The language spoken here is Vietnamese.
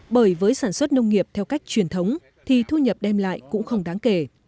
bởi với sản xuất nông nghiệp theo cách truyền thống thì thu nhập đem lại cũng không đáng kể